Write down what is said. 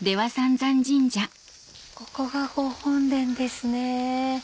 ここがご本殿ですね。